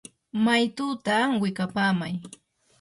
maytutaa wikapaykamay.